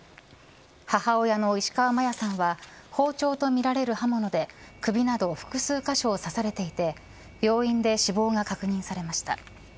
母親の石川真矢さんは包丁とみられる刃物で首など複数カ所を刺されていて病院で死亡が確認されました。